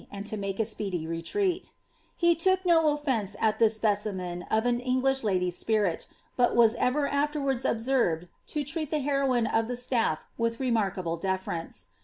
and to make a speedy retread He took no offence at this specimen of an English lady's spirit, but wn evei afterwaids observed to treat the heroineof the staff with remarkabM deference.